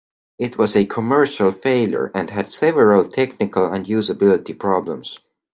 It was a commercial failure, and had several technical and usability problems.